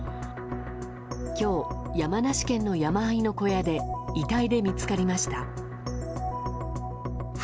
今日、山梨県の山あいの小屋で遺体で見つかりました。